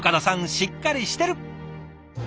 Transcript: しっかりしてる！